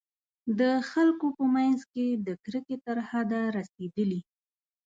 د خلکو په منځ کې د کرکې تر حده رسېدلي.